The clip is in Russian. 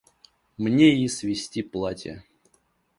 Мне ей свезти платья.